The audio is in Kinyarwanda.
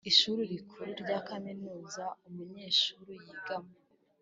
Ishuri Rikuru rya Kaminuza umunyeshuri yigamo